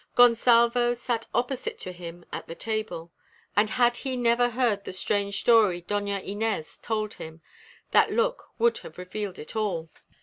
Gonsalvo sat opposite to him at the table. And had he never heard the strange story Doña Inez told him, that look would have revealed it all.